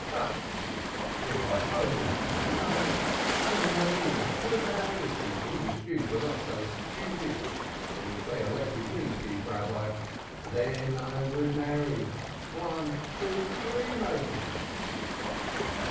Ah, if I only had money! And money I should have, if these English Jews were not so stupid and if they elected me Chief Rabbi. Then I would marry one, two, three maidens."